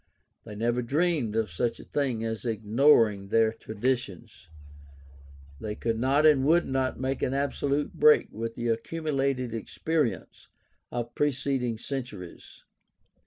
They never dreamed of such a thing as ignoring their traditions. They could not and would not make an absolute break with the accumulated experience of preceding centuries.